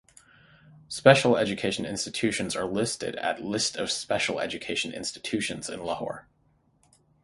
Special education institutions are listed at List of special education institutions in Lahore.